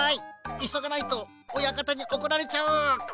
いそがないとおやかたにおこられちゃう！